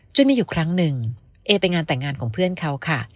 จนมีอยู่ครั้งหนึ่งเอไปงานแต่งงานของเพื่อนเขาค่ะ